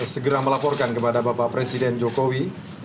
segera melaporkan kepada bapak presiden jokowi